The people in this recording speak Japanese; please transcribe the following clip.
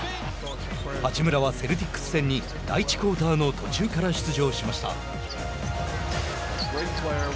八村はセルティックス戦に第１クオーターの途中から出場しました。